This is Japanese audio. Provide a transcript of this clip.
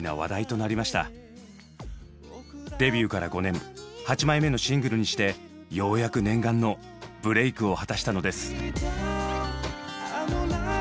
デビューから５年８枚目のシングルにしてようやく念願のブレイクを果たしたのです。